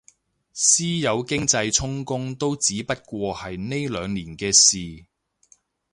私有經濟充公都只不過係呢兩年嘅事